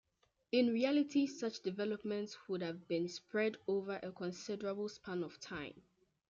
In reality, such developments would have been spread over a considerable span of time.